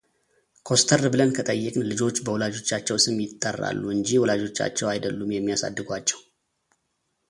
ኮስተር ብለን ከጠየቅን ልጆች በወላጆቻቸው ስም ይጠራሉ እንጂ ወላጆቻቸው አይደሉም የሚያሳድጓቸው